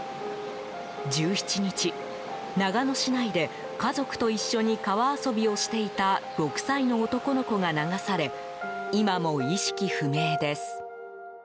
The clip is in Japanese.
１７日、長野市内で家族と一緒に川遊びをしていた６歳の男の子が流され今も意識不明です。